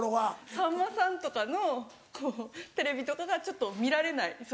さんまさんとかのテレビとかが見られない。